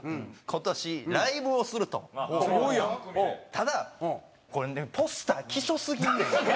ただこれポスターきしょすぎんねん！